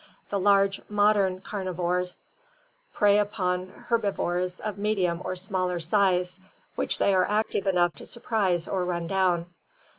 The large modern carnivora prey upon herbivores of medium or smaller size, which they are active enough to surprise or run down.